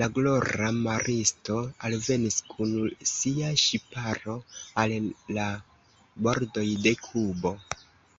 La glora maristo alvenis kun sia ŝiparo al la bordoj de Kubo.